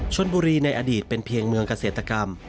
ชนบุรีในอดีตเป็นเพียงเมืองเกษตรกรรม